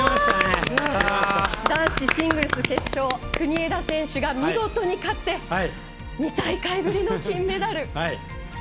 男子シングルス決勝国枝選手が見事に勝って２大会ぶりの金メダル。